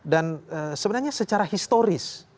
dan sebenarnya secara historis